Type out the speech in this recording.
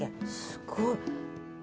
すごい。